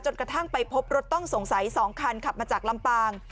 กระทั่งไปพบรถต้องสงสัย๒คันขับมาจากลำปาง